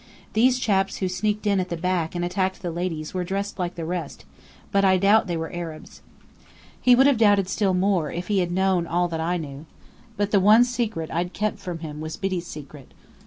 These chaps who sneaked in at the back and attacked the ladies were dressed like the rest, but I doubt they were Arabs." He would have doubted still more, if he had known all that I knew. But the one secret I'd kept from him was Biddy's secret.